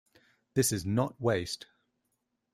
This is not waste.